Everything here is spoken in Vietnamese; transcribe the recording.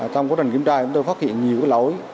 trong quá trình kiểm tra chúng tôi phát hiện nhiều lỗi